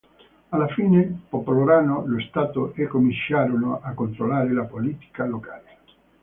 Alla fine popolarono lo stato e cominciarono a controllare la politica locale.